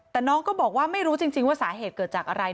แต่น้องก็บอกว่าไม่รู้จริงว่าสาเหตุเกิดจากอะไร